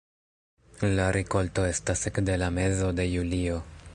La rikolto estas ekde la mezo de julio.